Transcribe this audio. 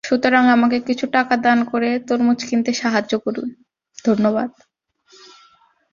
এটি এক্স-রে এর মাধ্যমে জন্মগত নিতম্ব ত্রুটি সনাক্ত করা কঠিন করে তোলে।